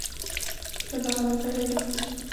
只有逃跑的自然选择号及其追捕者不在这里。